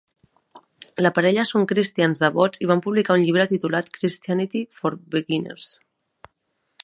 La parella són cristians devots i van publicar un llibre titulat "Christianity for Beginners".